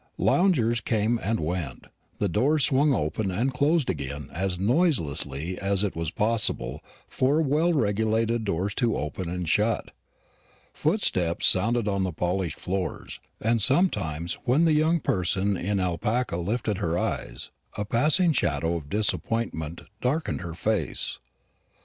Loungers came and went; the doors swung open and closed again as noiselessly as it is possible for well regulated doors to open and shut; footsteps sounded on the polished floors; and sometimes when the young person in alpaca lifted her eyes, a passing shadow of disappointment darkened her face.